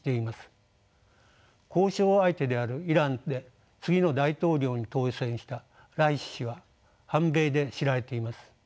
交渉相手であるイランで次の大統領に当選したライシ師は反米で知られています。